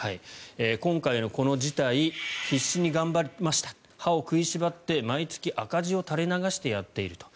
今回のこの事態必死に頑張りました歯を食いしばって毎月赤字を垂れ流してやっていると。